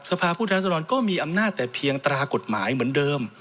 ผู้แทนรัศดรก็มีอำนาจแต่เพียงตรากฎหมายเหมือนเดิม